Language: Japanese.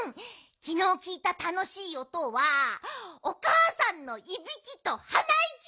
きのうきいたたのしいおとはおかあさんのいびきとはないき！